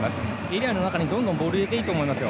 エリアの中にどんどんボールを入れていいと思います。